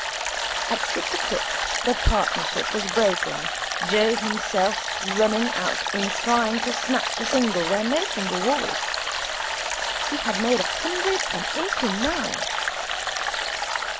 At six o'clock the partnership was broken, Joe running himself out in trying to snatch a single where no single was. He had made a hundred and eighty nine.